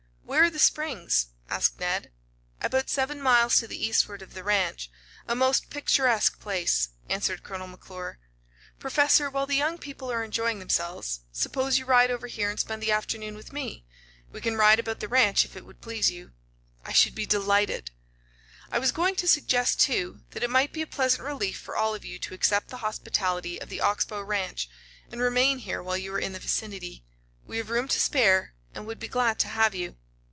"Where are the Springs?" asked Ned. "About seven miles to the eastward of the ranch. A most picturesque place," answered Colonel McClure. "Professor, while the young people are enjoying themselves, suppose you ride over here and spend the afternoon with me? We can ride about the ranch if it would please you." "I should be delighted." "I was going to suggest, too, that it might be a pleasant relief for all of you to accept the hospitality of the Ox Bow ranch and remain here while you are in the vicinity. We have room to spare and would be glad to have you."